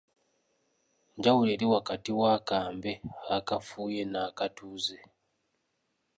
Njawulo eri wakati w’akambe akafuuye n’akatuze?